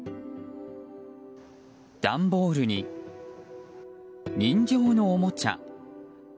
段ボールに、人形のおもちゃ。